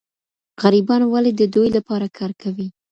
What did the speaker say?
غریبان ولي د دوی لپاره کار کوي؟